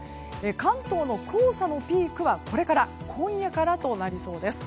関東の黄砂のピークはこれから今夜からとなりそうです。